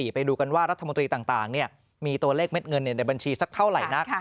ไปดูกันว่ารัฐมนตรีต่างมีตัวเลขเด็ดเงินในบัญชีสักเท่าไหร่นัก